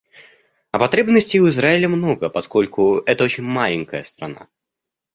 А потребностей у Израиля много, поскольку — это очень маленькая страна.